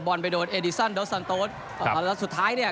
บอลไปโดนเอดิสันแล้วสันโต๊ะครับแล้วสุดท้ายเนี้ย